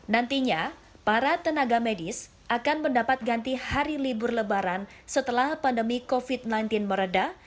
nantinya para tenaga medis akan mendapat ganti hari libur lebaran setelah pandemi covid sembilan belas meredah